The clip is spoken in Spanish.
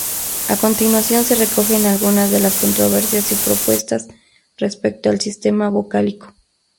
A continuación se recogen algunas de las controversias y propuestas respecto al sistema vocálico.